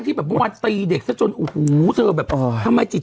ตีจนปากเปิด